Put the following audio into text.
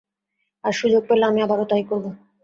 আর সুযোগ পেলে আমি আবারও তাই করব।